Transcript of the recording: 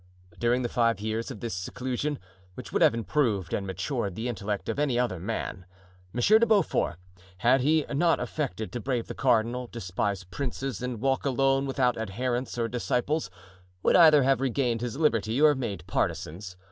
During the five years of this seclusion, which would have improved and matured the intellect of any other man, M. de Beaufort, had he not affected to brave the cardinal, despise princes, and walk alone without adherents or disciples, would either have regained his liberty or made partisans.